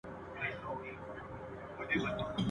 زما اصلي ګناه به دا وي چي زه خر یم !.